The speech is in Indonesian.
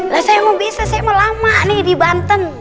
lah saya mau bisa saya mau lama nih di banten